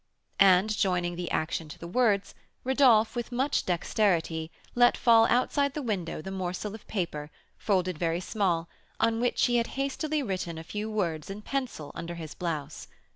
And, joining the action to the words, Rodolph, with much dexterity, let fall outside the window the morsel of paper, folded very small, on which he had hastily written a few words in pencil under his blouse.